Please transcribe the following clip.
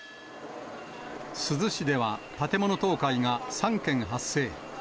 珠洲市では、建物倒壊が３件発生。